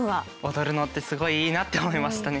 踊るのってすごいいいなって思いましたね。